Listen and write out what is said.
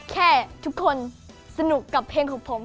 แค่ทุกคนสนุกกับเพลงของผม